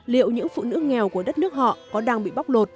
liệu những phụ nữ nghèo của đất nước họ có đang bị bóc lột